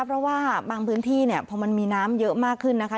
เพราะว่าบางพื้นที่เนี่ยพอมันมีน้ำเยอะมากขึ้นนะคะ